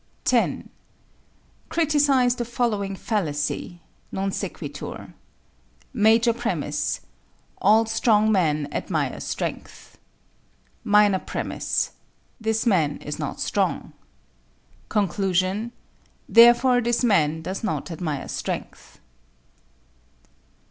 10. Criticise the following fallacy (non sequitur): MAJOR PREMISE: All strong men admire strength. MINOR PREMISE: This man is not strong. CONCLUSION: Therefore this man does not admire strength.